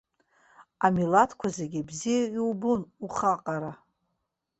Амилаҭқәа зегьы бзиа иубон ухы аҟара.